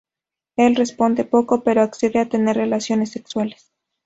Él responde poco, pero accede a tener relaciones sexuales.